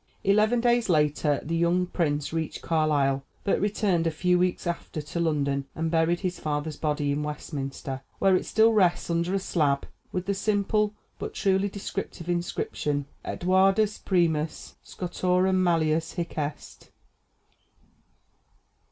Eleven days later the young prince reached Carlisle, but returned a few weeks after to London, and buried his father's body in Westminster, where it still rests under a slab, with the simple but truly descriptive inscription: "Eduardus primus, Scotorum malleus, hic est."